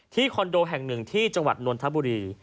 คอนโดแห่งหนึ่งที่จังหวัดนนทบุรี